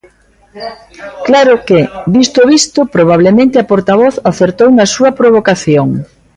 Claro que, visto o visto, probablemente a portavoz acertou na súa provocación.